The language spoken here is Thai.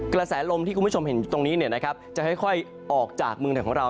กระแสลมที่คุณผู้ชมเห็นอยู่ตรงนี้จะค่อยออกจากเมืองไทยของเรา